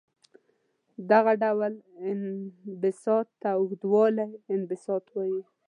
دغه ډول انبساط ته اوږدوالي انبساط وايي.